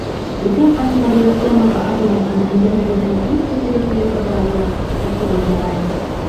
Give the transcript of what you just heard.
Үтә ҡатмарлы темаға арналған әңгәмәбеҙҙең иң сетерекле һорауы ла ошолор, моғайын.